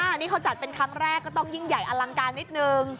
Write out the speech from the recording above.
อันนี้เขาจัดเป็นครั้งแรกก็ต้องยิ่งใหญ่อลังการนิดนึง